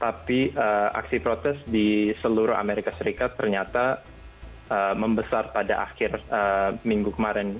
tapi aksi protes di seluruh amerika serikat ternyata membesar pada akhir minggu kemarin